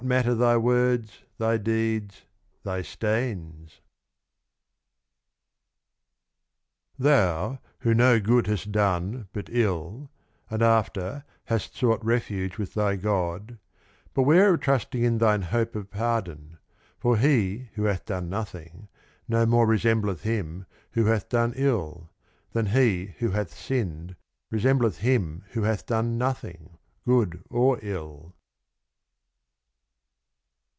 (3^^) THE RUBAIYAT OF KHAIYAM Thou, who no Good hast done, but 111 ; and, after, hast sought Refuge with thy God ; beware of trusting in thine Hope of Pardon — for he, who hath done Nothing, no more resembleth him, who hath done 111 ; than he, who hath sinned, resembleth him who hath done Nothing, Good or 111.